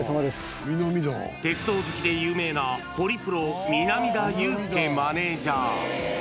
鉄道好きで有名なホリプロ、南田裕介マネージャー。